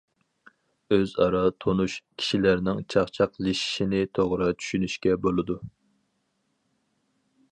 ئۆزئارا تونۇش كىشىلەرنىڭ چاقچاقلىشىشىنى توغرا چۈشىنىشكە بولىدۇ.